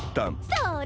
それ！